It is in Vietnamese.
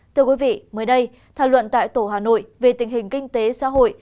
thưa quý vị mới đây thảo luận tại tổ hà nội về tình hình kinh tế xã hội